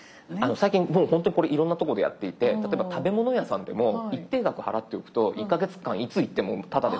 最近もうほんとにこれいろんなとこでやっていて例えば食べ物屋さんでも一定額払っておくと１か月間いつ行ってもタダで食べさせてあげる。